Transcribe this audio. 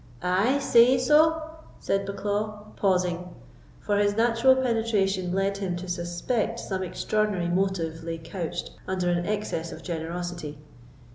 "Ay, say you so?" said Bucklaw, pausing, for his natural penetration led him to suspect some extraordinary motive lay couched under an excess of generosity.